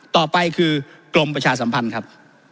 ต่อไปคือกรมประชาสัมพันธ์ครับ